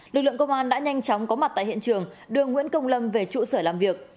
lực lượng công an đã nhanh chóng có mặt tại hiện trường đưa nguyễn công lâm về trụ sở làm việc